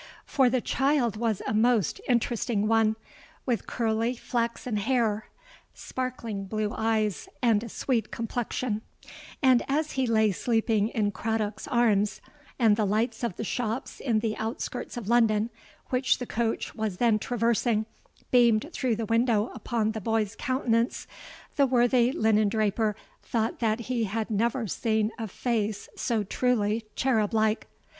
For the child was a most interesting one—with curly flaxen hair, sparkling blue eyes, and a sweet complexion; and as he lay sleeping in Craddock's arms, and the lights of the shops in the outskirts of London, which the coach was then traversing, beamed through the window upon the boy's countenance, the worthy linen draper thought that he had never seen a face so truly cherub like.